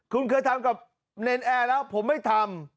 คุณเคยทำกับเนรนแอร์แล้วผมไม่ทำ